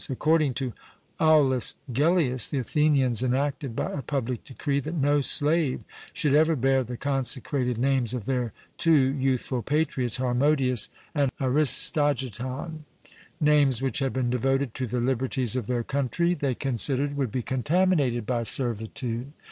According to Aulus Gellius, the Athenians enacted by a public decree, that no slave should ever bear the consecrated names of their two youthful patriots, Harmodius and Aristogiton, names which had been devoted to the liberties of their country, they considered would be contaminated by servitude.